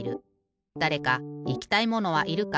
だれかいきたいものはいるか？